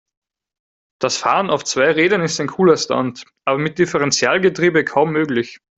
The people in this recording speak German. Das Fahren auf zwei Rädern ist ein cooler Stunt, aber mit Differentialgetriebe kaum möglich.